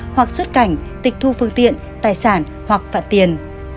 hoặc xuất cảnh tịch thu phương tiện tài sản hoặc phạt tiền